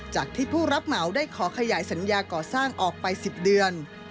จากที่ผู้รับเหมาได้ขอขยายสัญญาก่อสร้างออกไป๑๐เดือน